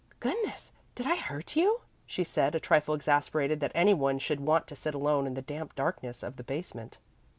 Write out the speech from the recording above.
"Goodness! did I hurt you?" she said, a trifle exasperated that any one should want to sit alone in the damp darkness of the basement.